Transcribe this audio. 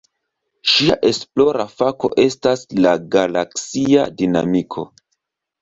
Ŝia esplora fako estas la galaksia dinamiko.